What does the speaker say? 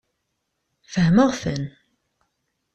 Fehmeɣ-ten.